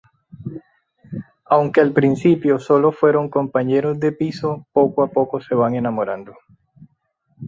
Aunque al principio sólo fueron compañeros de piso poco a poco se van enamorando.